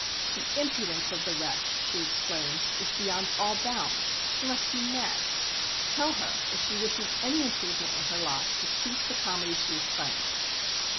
"The impudence of the wretch," she exclaims, "is beyond all bounds! She must be mad. Tell her if she wishes any improvement in her lot to cease the comedy she is playing."